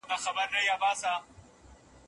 په ساینس کي څېړنه د استاد او شاګرد لخوا په ګډه کیږي.